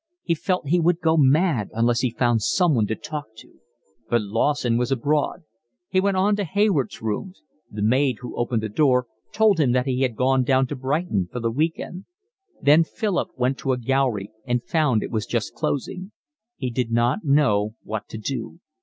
He felt he would go mad unless he found someone to talk to; but Lawson was abroad; he went on to Hayward's rooms: the maid who opened the door told him that he had gone down to Brighton for the week end. Then Philip went to a gallery and found it was just closing. He did not know what to do.